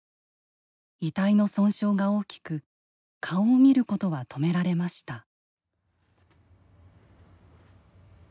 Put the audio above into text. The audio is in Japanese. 遺体の損傷が大きく顔を見ることは止められました。